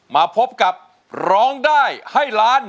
มาพบกับร้องได้ให้ล้าน